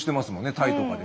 タイとかで。